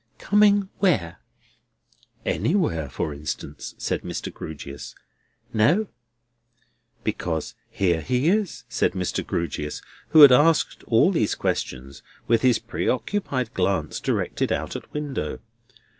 "Coming where?" "Anywhere, for instance?" said Mr. Grewgious. "No." "Because here he is," said Mr. Grewgious, who had asked all these questions, with his preoccupied glance directed out at window.